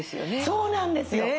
そうなんですよ。